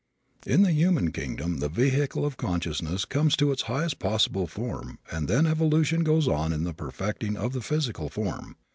In the human kingdom the vehicle of consciousness comes to its highest possible form and then evolution goes on in the perfecting of the physical form.